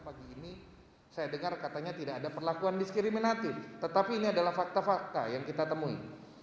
pagi ini saya dengar katanya tidak ada perlakuan diskriminatif tetapi ini adalah fakta fakta yang kita temui